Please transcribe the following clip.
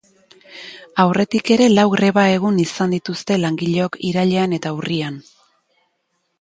Aurretik ere lau greba egun izan dituzte langileok irailean eta urrian.